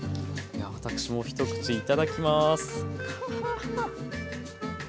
私も一口いただきます。